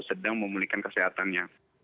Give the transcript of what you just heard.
beliau memulihkan kesehatannya